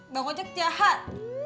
bang ojek jahat